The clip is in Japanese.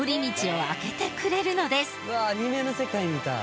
うわアニメの世界みたい。